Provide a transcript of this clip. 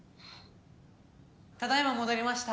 ・ただいま戻りました。